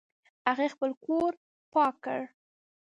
هغې خپل کور پاک کړ